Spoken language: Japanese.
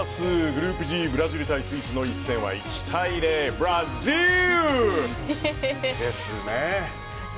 グループＧ、ブラジル対スイスの一戦は１対０ブラジルですね。